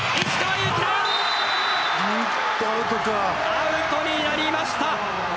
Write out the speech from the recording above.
アウトになりました。